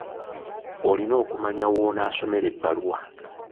Olina okumanya w'onaasomera ebbaluwa.